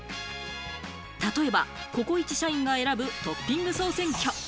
例えばココイチ社員が選ぶトッピング総選挙。